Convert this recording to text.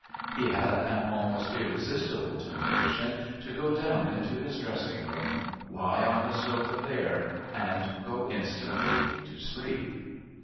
He had an almost irresistible temptation to go down into his dressing room, lie on his sofa there, and go instantly to sleep.